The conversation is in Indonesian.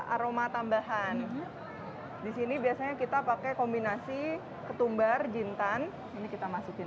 aroma tambahan disini biasanya kita pakai kombinasi ketumbar jintan ini kita masukin